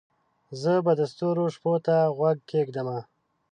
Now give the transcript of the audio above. زه به د ستورو شپو ته غوږ کښېږدمه